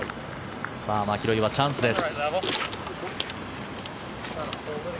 さあ、マキロイはチャンスです。